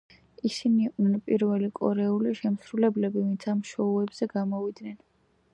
ისინი იყვნენ პირველი კორეელი შემსრულებლები ვინც ამ შოუებზე გამოვიდნენ.